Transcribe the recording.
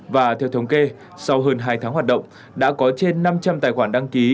và theo thống kê sau hơn hai tháng hoạt động đã có trên năm trăm linh tài khoản đăng ký